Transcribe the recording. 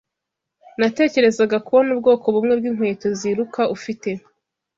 Natekerezaga kubona ubwoko bumwe bwinkweto ziruka ufite.